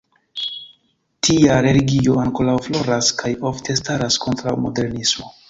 Tial religio ankoraŭ floras kaj ofte staras kontraŭ modernismo.